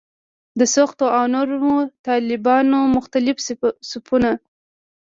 د سختو او نرمو طالبانو مختلف صفونه.